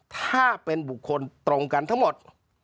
ถ้าเป็นบุคคลตรงกันทั้งหมด